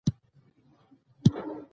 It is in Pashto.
کانونه ښایسته دي.